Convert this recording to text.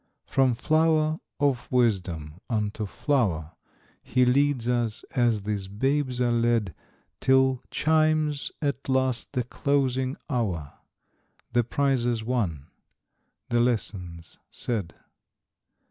From flower of wisdom unto flower He leads us, as these babes are led, Till chimes, at last, the closing hour, The prizes won, the lessons said.